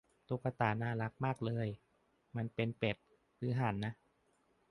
ตุ๊กตาน่ารักมากเลย มันเป็นเป็ดหรือเป็นห่านนะ